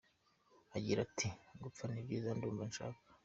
agira ati gupfa ni byiza ndumva nshaka.